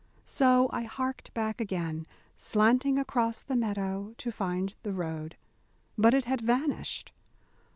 So I harked back again, slanting across the meadow, to find the road. But it had vanished.